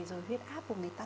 rồi huyết áp của người ta